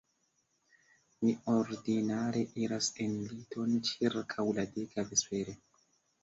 Mi ordinare iras en liton ĉirkaŭ la deka vespere.